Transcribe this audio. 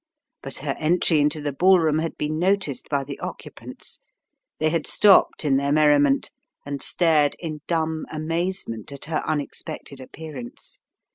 But her entry into the ball room had been noticed by the occupants. They had stopped in their merriment and stared in dumb amazement at her unexpected appearance.